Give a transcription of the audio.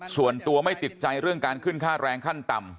ส่วนตัวไม่ติดใจเรื่องการขึ้นค่าแรงขั้นต่ำ